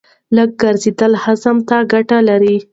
لږ ګرځېدل هاضمې ته ګټه لري.